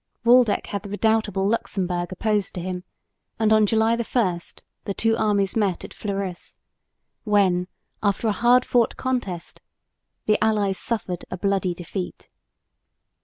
Waldeck had the redoubtable Luxemburg opposed to him and on July 1 the two armies met at Fleurus, when, after a hard fought contest, the allies suffered a bloody defeat.